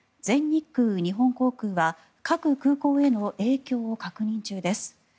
全日空、日本航空は各空港への影響を確認中です。